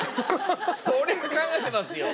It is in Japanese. それは考えてますよ。